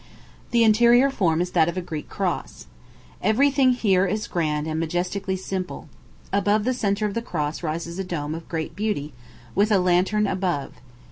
The interior form is that of a Greek cross. Every thing here is grand and majestically simple. Above the centre of the cross rises a dome of great beauty, with a lantern above.